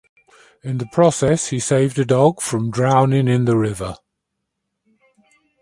In the process, he saved a dog from drowning in the river.